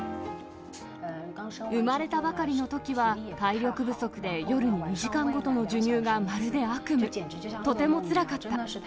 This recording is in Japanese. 産まれたばかりのときは、体力不足で、夜に２時間ごとの授乳がまるで悪夢、とてもつらかった。